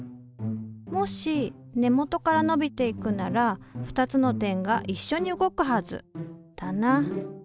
もし根元から伸びていくなら２つの点がいっしょに動くはずだな。